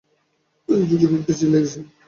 তাই এই সুযোগে কয়েকটি চিঠি লিখছি।